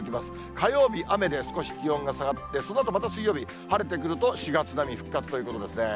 火曜日、雨で少し気温が下がって、そのあとまた水曜日、晴れてくると、４月並み、復活ということですね。